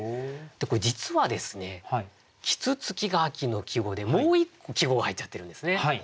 これ実はですね「啄木鳥」が秋の季語でもう一個季語が入っちゃってるんですね。